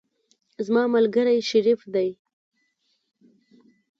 زما ملګری شریف دی.